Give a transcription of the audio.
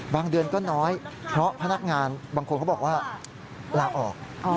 เดือนก็น้อยเพราะพนักงานบางคนเขาบอกว่าลาออก